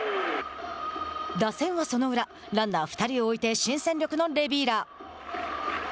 打線はその裏ランナー２人を置いて新戦力の新戦力のレビーラ。